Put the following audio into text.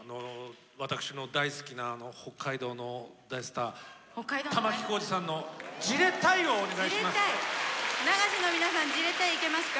私の大好きな北海道の大スター玉置浩二さんの流しの皆さん「じれったい」いけますか？